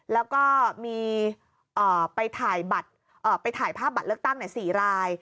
แล้วก็มีไปถ่ายภาพบัตรเลือกตั้ง๔ราย